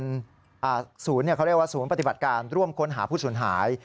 เขาเรียกว่าศูนย์ปฏิบัติการร่วมค้นหาผู้สูญหาย